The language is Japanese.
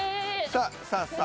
さあさあさあ。